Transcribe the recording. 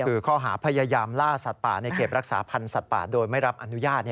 คือข้อหาพยายามล่าสัตว์ป่าในเขตรักษาพันธ์สัตว์ป่าโดยไม่รับอนุญาต